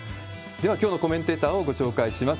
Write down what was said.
では、きょうのコメンテーターをご紹介します。